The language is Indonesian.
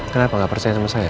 kenapa nggak percaya sama saya